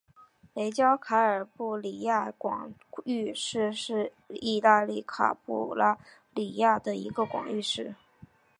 雷焦卡拉布里亚广域市是意大利卡拉布里亚的一个广域市。